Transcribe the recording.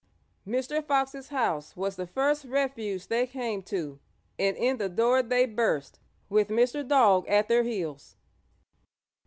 Mr. Fox's house was the first refuge they came to, and in the door they burst, with Mr. Dog at their heels.